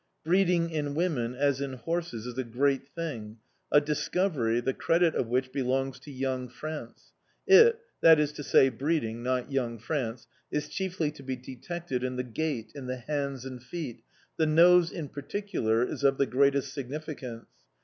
Breeding in women, as in horses, is a great thing: a discovery, the credit of which belongs to young France. It that is to say, breeding, not young France is chiefly to be detected in the gait, in the hands and feet; the nose, in particular, is of the greatest significance.